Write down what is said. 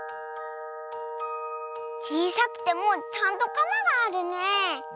ちいさくてもちゃんとカマがあるね。